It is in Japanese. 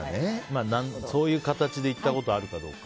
そういう形で行ったことあるかどうか。